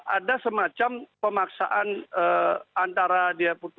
ada semacam pemaksaan antara dpd dan dpd